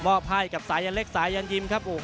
มอบให้กับสายันเล็กกับสายันยินครับ